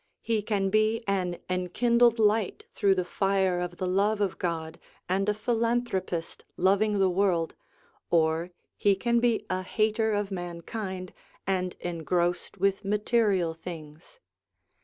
He can be an enkindled light through the fire of the love of God, and a philanthropist loving the world, or he can be a hater of mankind, and engrossed with material things.